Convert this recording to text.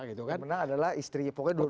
menang adalah istri